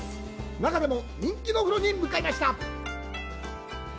中でも人気のお風呂に向かいます。